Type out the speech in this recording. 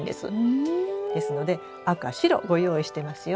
ですので赤白ご用意してますよ。